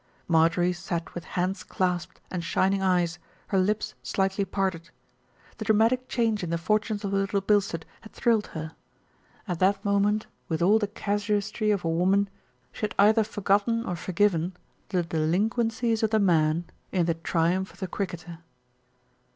Marjorie sat with hands clasped and shining eyes, her lips slightly parted. The dramatic change in the fortunes of Little Bilstead had thrilled her. At that moment, with all the casuistry of a woman, she had either forgotten or forgiven the delinquencies of the man in the triumph of the cricketer.